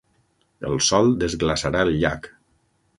El sol desglaçarà el llac.